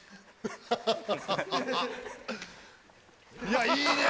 いやいいね。